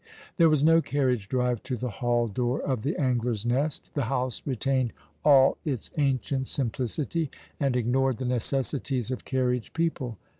There was no carriage drive to the ball door of the Angler's Nest. The house retained all its ancient simplicity, and ignored the necessities of carriage people.